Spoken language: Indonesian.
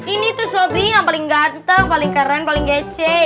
ini tuh suami yang paling ganteng paling keren paling gece